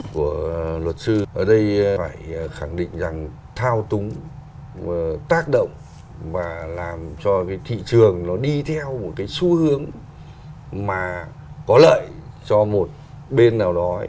của luật sư ở đây phải khẳng định rằng thao túng tác động và làm cho cái thị trường nó đi theo một cái xu hướng mà có lợi cho một bên nào đó